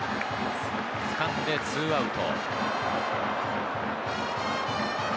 つかんで２アウト。